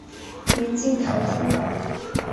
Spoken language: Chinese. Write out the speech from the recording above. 临近台中港。